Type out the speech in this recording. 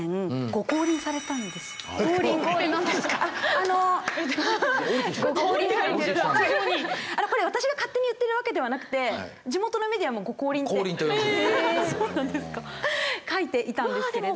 あのこれ私が勝手に言ってるわけではなくて地元のメディアも「ご降臨」って書いていたんですけれど。